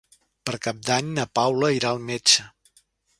Per Cap d'Any na Paula irà al metge.